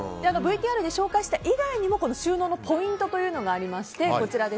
ＶＴＲで紹介した以外にも収納のポイントというのがあります。